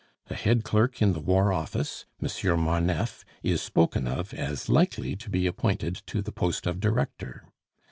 A head clerk in the War Office, Monsieur Marneffe, is spoken of as likely to be appointed to the post of director."